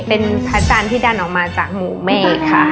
เป็นพระจันทร์ที่ดันออกมาจากหมู่เมฆ